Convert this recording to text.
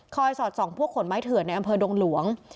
สอดส่องพวกขนไม้เถื่อนในอำเภอดงหลวง